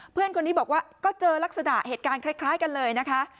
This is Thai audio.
เพื่อนคนนี้บอกว่าก็เจอลักษณะเหตุการณ์คล้ายกันเลยนะคะ